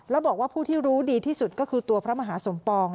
แล้วบอกว่าผู้ที่รู้ดีที่สุดก็คือตัวพระมหาสมปอง